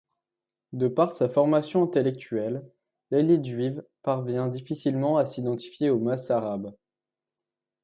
De par sa formation intellectuelle, l'élite juive parvient difficilement à s'identifier aux masses arabes.